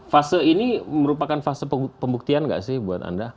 fase ini merupakan fase pembuktian nggak sih buat anda